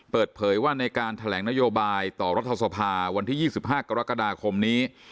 เปิดเผยว่าในการแถลงนโยบายต่อรัฐสภาวันที่๒๕กรกฎาคมนี้